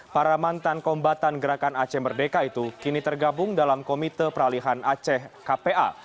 para mantan kombatan gerakan aceh merdeka itu kini tergabung dalam komite peralihan aceh kpa